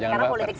jangan baper iya